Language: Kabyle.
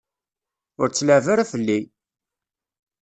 Ur tt-leεεeb ara fell-i!